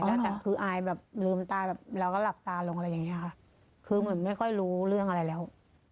จากคืออายแบบลืมตาแบบเราก็หลับตาลงอะไรอย่างเงี้ยค่ะคือเหมือนไม่ค่อยรู้เรื่องอะไรแล้ว